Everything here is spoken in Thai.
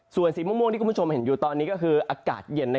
ส่วนสีม่วงที่คุณผู้ชมเห็นอยู่ตอนนี้ก็คืออากาศเย็น